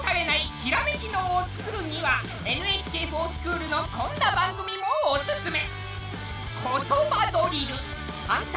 ひらめき脳をつくるには「ＮＨＫｆｏｒＳｃｈｏｏｌ」のこんな番組もおすすめ。